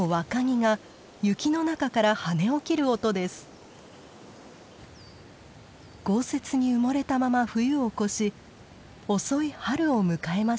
豪雪に埋もれたまま冬を越し遅い春を迎えました。